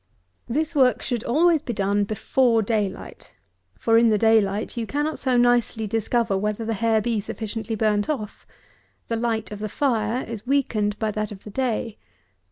This work should always be done before day light; for in the day light you cannot so nicely discover whether the hair be sufficiently burnt off. The light of the fire is weakened by that of the day.